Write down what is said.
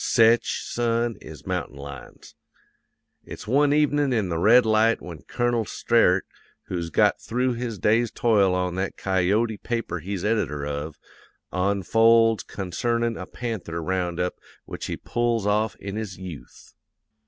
Sech, son, is mountain lions. "It's one evenin' in the Red Light when Colonel Sterett, who's got through his day's toil on that Coyote paper he's editor of, onfolds concernin' a panther round up which he pulls off in his yooth.